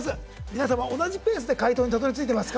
皆様同じペースで解答にたどりついてますか？